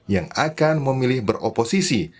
yang akan memilih beroposisi